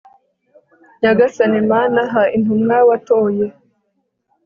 nyagasani mana, ha intumwa watoye